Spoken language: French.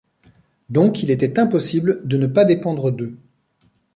Donc, il était impossible de ne pas dépendre d'eux.